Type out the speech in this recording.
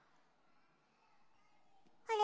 あれ？